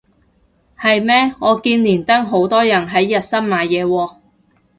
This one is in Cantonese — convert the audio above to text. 係咩我見連登好多人係日森買嘢喎